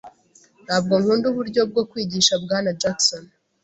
Ntabwo nkunda uburyo bwo kwigisha bwana Jackson.